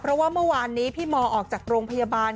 เพราะว่าเมื่อวานนี้พี่มออกจากโรงพยาบาล